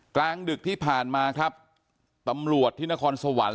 กลางดึกที่ผ่านมาครับตำรวจที่นครสวรรค์